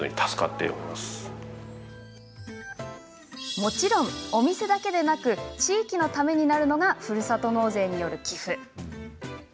もちろん、お店だけでなく地域のためになるのがふるさと納税による寄付。